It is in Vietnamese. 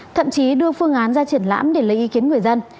thậm chí đưa phương án ra triển lãm để lấy ý kiến người dân